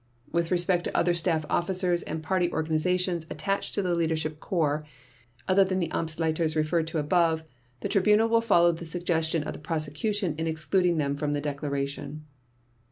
With respect to other staff officers and Party organizations attached to the Leadership Corps other than the Amtsleiters referred to above, the Tribunal will follow the suggestion of the Prosecution in excluding them from the declaration.